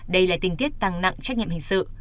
đây là tình tiết tăng nặng trách nhiệm hình sự